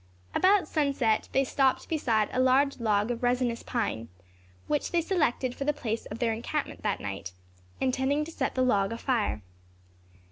About sunset they stopped beside a large log of resinous pine, which they selected for the place of their encampment that night, intending to set the log a fire.